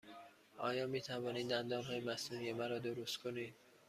آیا می توانید دندانهای مصنوعی مرا درست کنید؟